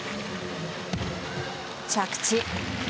着地。